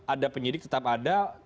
ada penyidik tetap ada